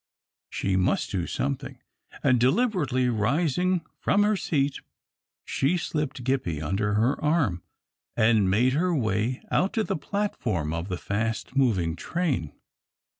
She must do something, and deliberately rising from her seat, she slipped Gippie under her arm, and made her way out to the platform of the fast moving train.